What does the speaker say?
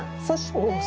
そして。